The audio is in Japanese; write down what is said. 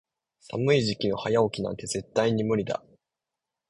寒い時期の早起きなんて絶対に無理だ。